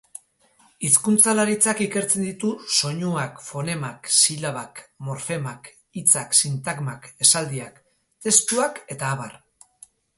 Hizkuntzalaritzak ikertzen ditu soinuak, fonemak, silabak, morfemak, hitzak, sintagmak, esaldiak, testuak, eta abar.